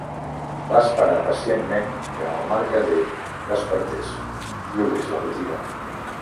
Va esperar pacientment que el mercader despertés i obrís la botiga.